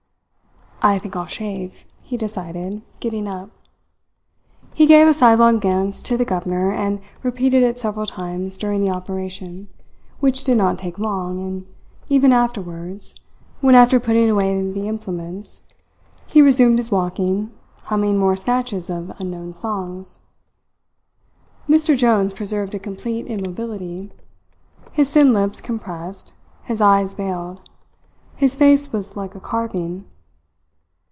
"I think I'll shave," he decided, getting up. He gave a sidelong glance to the governor, and repeated it several times during the operation, which did not take long, and even afterwards, when after putting away the implements, he resumed his walking, humming more snatches of unknown songs. Mr. Jones preserved a complete immobility, his thin lips compressed, his eyes veiled. His face was like a carving.